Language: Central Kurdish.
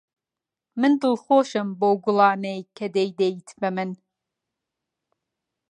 من دڵخۆشم بەو گوڵانەی کە دەیدەیت بە من.